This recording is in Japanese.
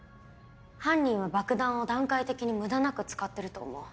犯人は爆弾を段階的に無駄なく使ってると思う。